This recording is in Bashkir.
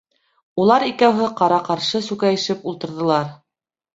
Улар икәүһе ҡара-ҡаршы сүкәйешеп ултырҙылар.